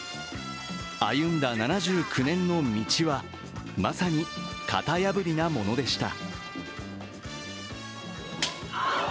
歩んだ７９年の道は、まさに型破りなものでした。